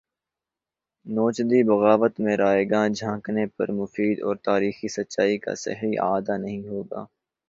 نوچندی بغاوت میں رائیگاں جھانکنے پر مفید اور تاریخی سچائی کا صحیح اعادہ نہیں ہو گا